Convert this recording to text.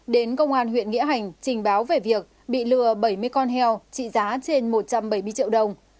đến công an huyện nghĩa hành trình báo về việc bị lừa bảy mươi con heo trị giá trên một trăm bảy mươi triệu đồng